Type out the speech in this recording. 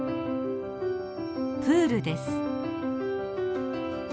プールです。